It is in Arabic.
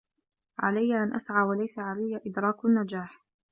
علي أن أسعى وليس علي إدراك النجاح